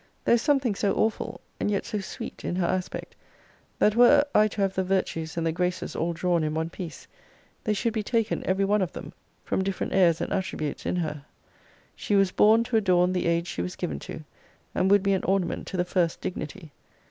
There is something so awful, and yet so sweet, in her aspect, that were I to have the virtues and the graces all drawn in one piece, they should be taken, every one of them, from different airs and attributes in her. She was born to adorn the age she was given to, and would be an ornament to the first dignity.